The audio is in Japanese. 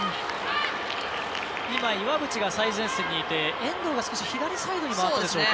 岩渕が最前線にいて遠藤が少し左サイドに回ってたんでしょうか。